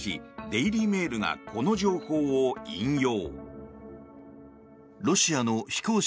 デイリー・メールがこの情報を引用。